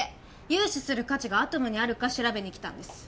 融資する価値がアトムにあるか調べに来たんです